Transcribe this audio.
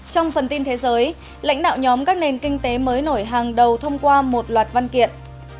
trong phần tin thế giới lãnh đạo nhóm các nền kinh tế mới nổi hàng đầu thông qua một loạt văn kiện